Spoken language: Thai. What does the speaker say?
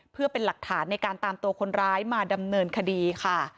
เพื่อเป็นหลักฐานในการตามตัวคนร้ายมาดำเนินคดีค่ะ